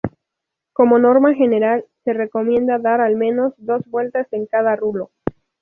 Como norma general, se recomienda dar al menos dos vueltas en cada rulo.